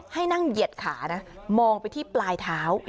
ให้นั่งเหยียดขานะมองไปที่ปลายเท้า